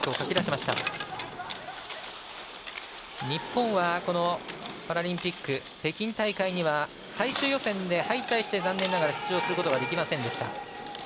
日本は、このパラリンピック北京大会には最終予選で敗退して残念ながら出場することができませんでした。